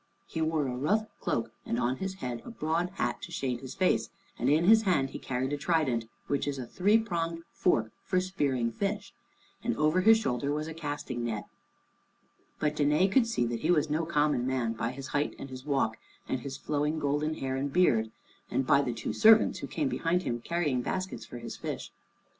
He wore a rough cloak, and on his head a broad hat to shade his face, and in his hand he carried a trident, which is a three pronged fork for spearing fish, and over his shoulder was a casting net. [Illustration: SO DANAE WAS COMFORTED AND WENT HOME WITH DICTYS.] But Danæ could see that he was no common man by his height and his walk, and his flowing golden hair and beard, and by the two servants who came behind him carrying baskets for his fish.